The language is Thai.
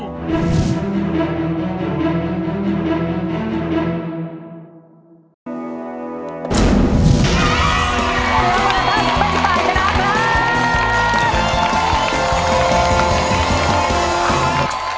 ตั้งแต่ชนะครับ